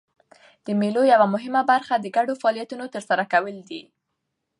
د مېلو یوه مهمه برخه د ګډو فعالیتونو ترسره کول دي.